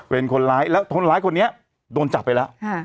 เป็นคนร้ายแล้วคนร้ายคนนี้โดนจับไปแล้ว